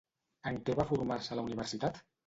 En què va formar-se a la universitat?